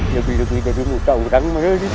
lebih lebih dari muka udang